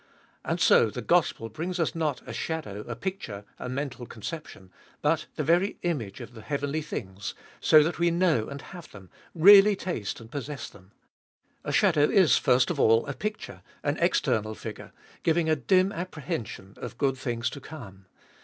And so the gospel brings us not a shadow, a picture, a mental conception, but the very image of the heavenly things, so that we know and have them, really taste and possess them. A shadow is first of all a picture, an external figure, giving a dim apprehension of good things to come.